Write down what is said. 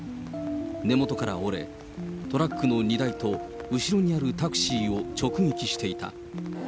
根元から折れ、トラックの荷台と後ろにあるタクシーを直撃していた。